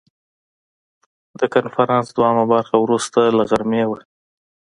د کنفرانس دوهمه برخه وروسته له غرمې وه.